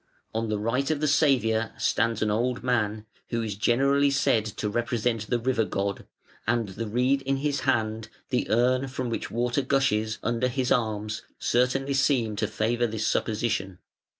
On the right of the Saviour stands an old man, who is generally said to represent the River god, and the reed in his hand, the urn, from which water gushes, under his arms, certainly seem to favour this supposition.